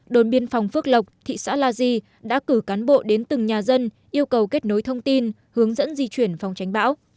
đồn biên phòng phước lộc thị xã la di đã cử cán bộ đến từng nhà dân yêu cầu kết nối thông tin hướng dẫn di chuyển phòng tránh bão